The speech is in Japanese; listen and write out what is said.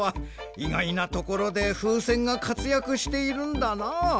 いがいなところでふうせんがかつやくしているんだな。